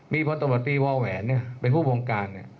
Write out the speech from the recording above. มีพอร์ตอบตีวอลแหวนเป็นผู้บงการ